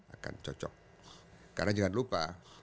akan cocok karena jangan lupa